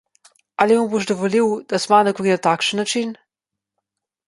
Ali mu boš dovolil, da z menoj govori na takšen način?